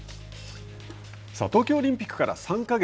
東京オリンピックから３か月。